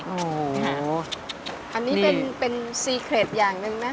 โอ้โหอันนี้เป็นซีเครดอย่างหนึ่งนะ